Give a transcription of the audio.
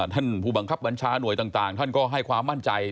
ท่านผู้บังคับบัญชาหน่วยต่างท่านก็ให้ความมั่นใจ